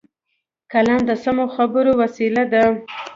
قلم د سمو خبرو وسیله ده